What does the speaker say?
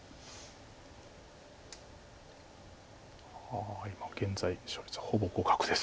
ああ今現在勝率はほぼ互角です。